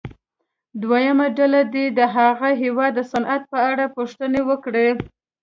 دویمه ډله دې د هغه هېواد د صنعت په اړه پوښتنې وکړي.